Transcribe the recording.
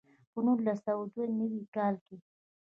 په نولس سوه دوه نوي کال کې.